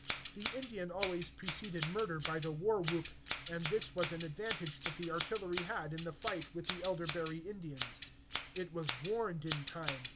The Indian always preceded murder by the war whoop; and this was an advantage that the artillery had in the fight with the elderberry Indians. It was warned in time.